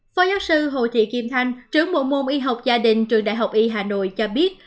phó giáo sư hồ thị kim thanh trưởng bộ môn y học gia đình trường đại học y hà nội cho biết